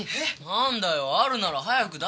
なんだよあるなら早く出せよ！